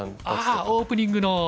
ああオープニングの。